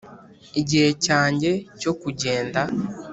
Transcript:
igihe cyanjye cyo kugenda.